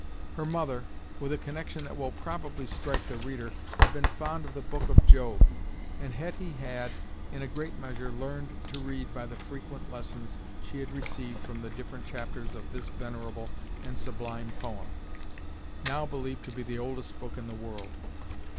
Her mother, with a connection that will probably strike the reader, had been fond of the book of Job, and Hetty had, in a great measure, learned to read by the frequent lessons she had received from the different chapters of this venerable and sublime poem now believed to be the oldest book in the world.